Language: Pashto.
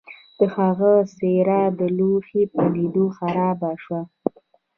د هغه څیره د لوحې په لیدلو خرابه شوه